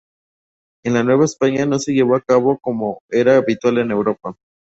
En la Nueva España no se llevó a cabo como era habitual en Europa.